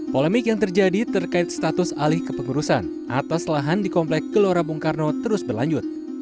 polemik yang terjadi terkait status alih ke pengurusan atas lahan di komplek kelora bung karno terus berlanjut